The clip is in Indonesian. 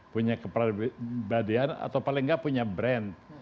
punya kepribadian atau paling nggak punya brand